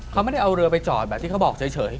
เขาไม่ได้เอาเรือไปจอดแบบที่เขาบอกเฉย